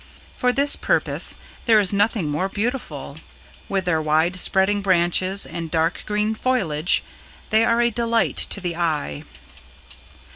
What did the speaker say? For this purpose there is nothing more beautiful. With their wide spreading branches and dark green foliage, they are a delight to the eye.